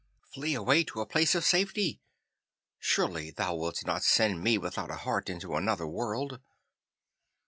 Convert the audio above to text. Flee away to a place of safety. Surely thou wilt not send me without a heart into another world?